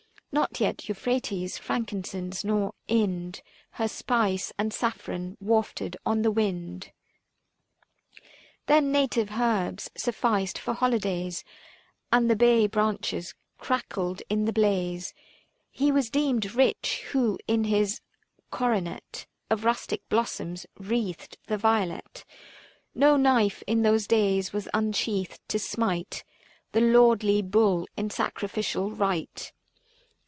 Not yet Euphrates frankincense, nor Ind Her spice and saffron, wafted on the wind : Book I. THE FASTI. 15 Then native herbs sufficed for holydays And the bay branches crackled in the blaze. 37u He was deemed rich, who in his coronet Of rustic blossoms wreathed the violet. No knife in those days was unsheathed to smite The lordly bull in sacrificial rite.